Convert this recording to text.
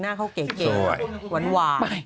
หน้าเขาเก๋หวาน